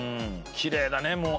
きれいだねもう。